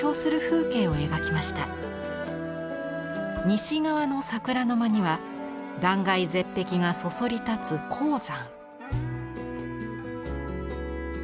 西側の桜の間には断崖絶壁がそそり立つ黄山。